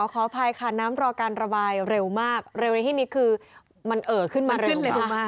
ขออภัยค่ะน้ำรอการระบายเร็วมากเร็วในที่นี้คือมันเอ่อขึ้นมาเร็วมาก